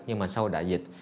nhưng mà sau đại dịch